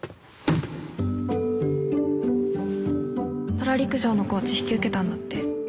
パラ陸上のコーチ引き受けたんだって？